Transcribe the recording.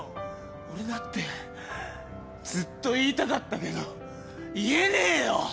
俺だってずっと言いたかったけど言えねえよ！